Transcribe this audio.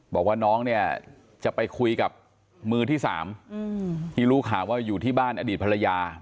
บอกว่าน้องเนี่ยจะไปคุยกับมือที่๓ที่รู้ข่าวว่าอยู่ที่บ้านอดีตภรรยา